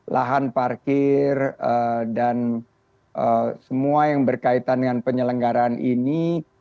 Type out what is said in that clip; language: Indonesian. lahan parkir dan semua yang berkaitan dengan penyelenggaraan ini